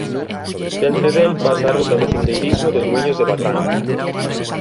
Diante del pasa a ruta de sendeirismo dos muíños de batán.